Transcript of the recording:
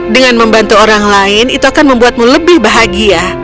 dengan membantu orang lain itu akan membuatmu lebih bahagia